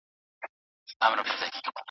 لمر د نظام شمسي د غړو پلار بلل کیږي.